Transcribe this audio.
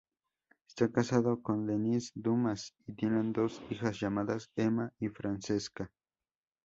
Esta casado con Denise Dumas y tienen dos hijas llamadas Emma y Francesca.